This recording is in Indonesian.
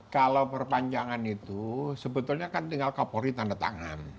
kalau perpanjangan itu sebetulnya kan tinggal kapolri tanda tangan